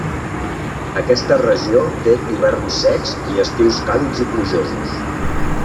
Aquesta regió té hiverns secs i estius càlids i plujosos.